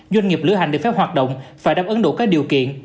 doanh nghiệp lữ hành được phép hoạt động phải đáp ứng đủ các điều kiện